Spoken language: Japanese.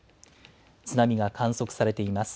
津波が観測されています。